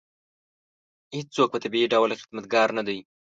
هېڅوک په طبیعي ډول خدمتګار نه دی.